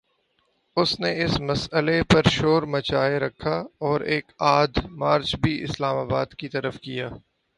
اس نے اس مسئلے پہ شور مچائے رکھا اور ایک آدھ مارچ بھی اسلام آباد کی طرف کیا۔